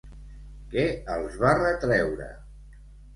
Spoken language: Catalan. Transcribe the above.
Què els va retreure?